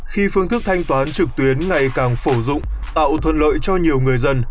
khi phương thức thanh toán trực tuyến ngày càng phổ dụng tạo thuận lợi cho nhiều người dân